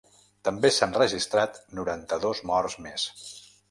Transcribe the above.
També s’han registrat noranta-dos morts més.